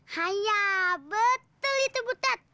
hayah betul itu butet